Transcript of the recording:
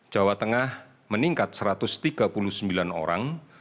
jawa tengah meningkat satu ratus tiga puluh sembilan orang